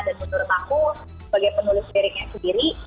dan menurut aku sebagai penulis liriknya sendiri